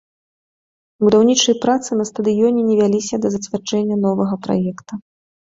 Будаўнічыя працы на стадыёне не вяліся да зацвярджэння новага праекта.